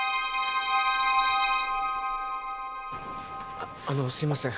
あっあのすいません